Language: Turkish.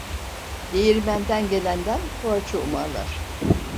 Değirmenden gelenden poğaça umarlar.